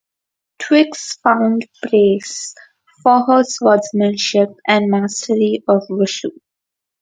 Twigs found praise for her swordsmanship and mastery of Wushu.